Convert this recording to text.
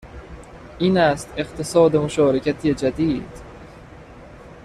این است اقتصاد مشارکتی جدید